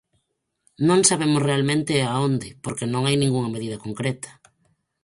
Non sabemos realmente a onde, porque non hai ningunha medida concreta.